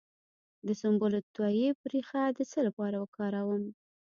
د سنبل الطیب ریښه د څه لپاره وکاروم؟